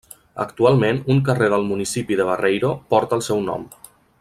Actualment un carrer del municipi de Barreiro porta el seu nom.